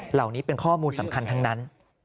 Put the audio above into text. เหล่านี้เป็นข้อมูลสำคัญทั้งนั้น